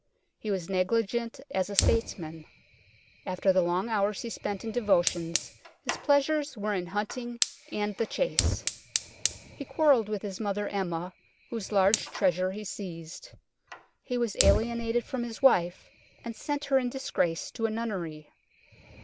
He was negligent as a statesman. After the long hours he spent in devotions, his pleasures were in hunting and the chase ; he quarrelled with his mother Emma, whose large treasure he seized ; he was alienated from his wife, and sent her in disgrace to a nunnery.